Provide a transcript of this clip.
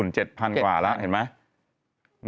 นี่ญี่ปุ่น๗๐๐๐กว่าแล้วเห็นไหม